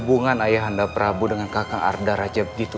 mengenai penderitaan pada tujuan yang dibuat k vegeta